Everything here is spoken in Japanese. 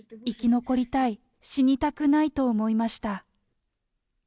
生き残りたい、死にたくないと思いました。